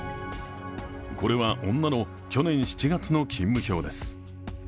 これは女の去年７月の勤務表です。